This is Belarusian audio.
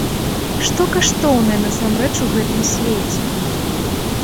Што каштоўнае насамрэч у гэтым свеце?